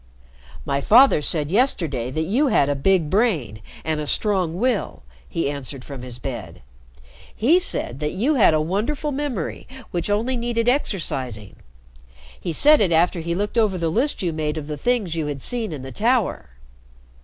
"My father said yesterday that you had a big brain and a strong will," he answered from his bed. "He said that you had a wonderful memory which only needed exercising. He said it after he looked over the list you made of the things you had seen in the Tower."